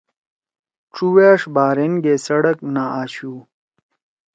چُوأݜ بحرین گے سڑک نہ آشُو۔